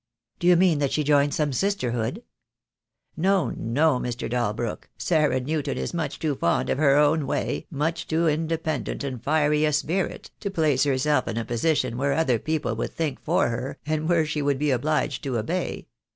"Do you mean that she joined some sisterhood?" "No, no, Mr. Dalbrook, Sarah Newton is much too fond of her own way, much too independent and fiery a spirit, to place herself in a position where other people would think for her, and where she would be obliged to obey.